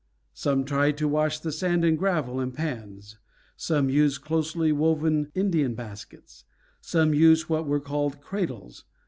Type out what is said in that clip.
Some tried to wash the sand and gravel in pans; some used closely woven Indian baskets; some used what were called cradles.